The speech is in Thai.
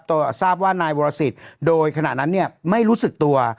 ตัวทราบว่านายวรสิตโดยขนาดนั้นไม่รู้สึกตัว